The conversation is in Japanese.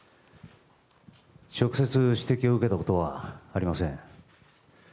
直接、指摘を受けたことはありません。